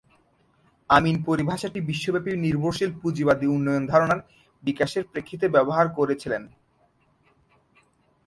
আমিন পরিভাষাটি বিশ্বব্যাপী নির্ভরশীল পুঁজিবাদী উন্নয়ন ধারণার বিকাশের প্রেক্ষিতে ব্যবহার করেছিলেন।